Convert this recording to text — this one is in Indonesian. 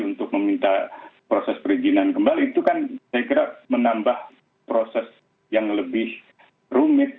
untuk meminta proses perizinan kembali itu kan saya kira menambah proses yang lebih rumit